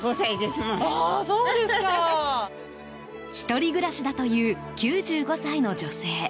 １人暮らしだという９５歳の女性。